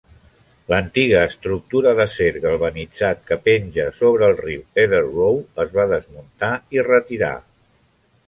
L'antiga estructura d'acer galvanitzat que penja sobre el riu Etherrow es va desmuntar i retirar.